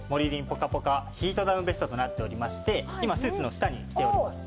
ぽかぽかヒートダウンベストとなっておりまして今スーツの下に着ております。